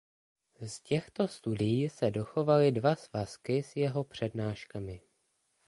Z těchto studií se dochovaly dva svazky s jeho přednáškami.